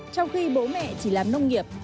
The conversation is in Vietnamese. trong khi bố mẹ chỉ làm nông nghiệp